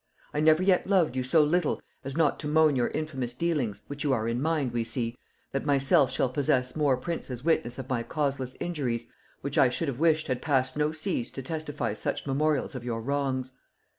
I never yet loved you so little as not to moan your infamous dealings, which you are in mind, we see, that myself shall possess more princes witness of my causeless injuries, which I should have wished had passed no seas to testify such memorials of your wrongs.